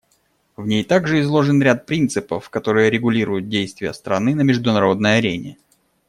В ней также изложен ряд принципов, которые регулируют действия страны на международной арене.